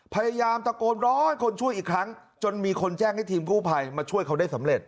พยายามตะโกนร้องให้คนช่วยอีกครั้งจนมีคนแจ้งให้ทีมกู้ภัยมาช่วยเขาได้สำเร็จ